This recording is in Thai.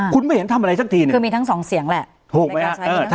คุณไม่เห็นทำอะไรสักทีเนี่ยคือมีทั้งสองเสียงแหละในการใช้